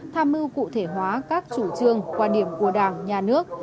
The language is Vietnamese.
tham mưu cụ thể hóa các chủ trương quan điểm của đảng nhà nước